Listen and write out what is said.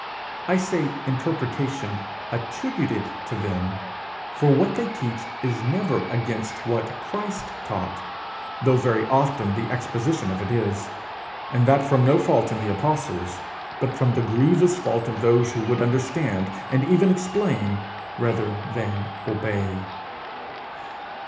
I say interpretation attributed to them; for what they teach is never against what Christ taught, though very often the exposition of it is and that from no fault in the apostles, but from the grievous fault of those who would understand, and even explain, rather than obey.